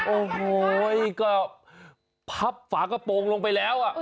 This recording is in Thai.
โอ้โหก็พับฝากระโปรงลงไปแล้ว